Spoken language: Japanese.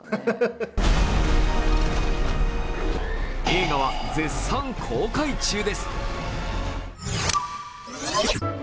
映画は絶賛公開中です。